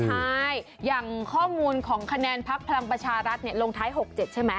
ใช่อย่างข้อมูลของคะแนนพักพลังประชารัฐลงท้าย๖๗ใช่ไหม